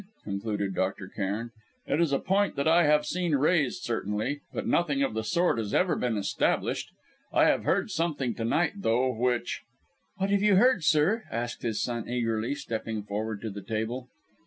concluded Dr. Cairn. "It is a point that I have seen raised, certainly. But nothing of the sort has ever been established. I have heard something, to night, though, which " "What have you heard, sir?" asked his son eagerly, stepping forward to the table.